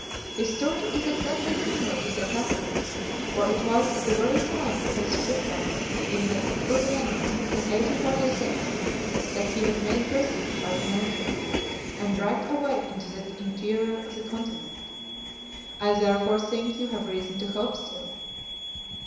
His story is exactly similar to the captain's, for it was at the very time of his shipwreck in the PRUVIENNE, in 1846, that he was made prisoner by the natives, and dragged away into the interior of the continent. I therefore think you have reason to hope still."